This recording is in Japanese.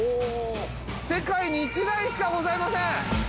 世界に１台しかございません！